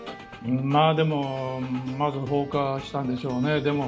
でもまず放火したんでしょうね。